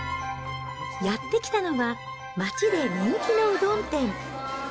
やって来たのは、町で人気のうどん店。